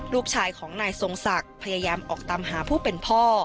ลูกชายของนายทรงศักดิ์พยายามออกตามหาผู้เป็นพ่อ